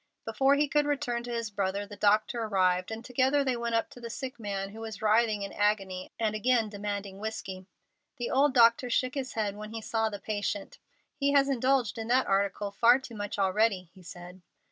Before he could return to his brother the doctor arrived, and together they went up to the sick man, who was writhing in agony, and again demanding whiskey. The old doctor shook his head when he saw the patient. "He has indulged in that article far too much already," he said.